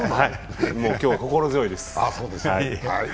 今日は心強いです。